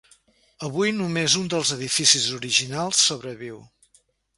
Avui només un dels edificis originals sobreviu.